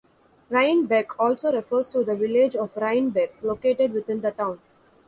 "Rhinebeck" also refers to the village of Rhinebeck, located within the town.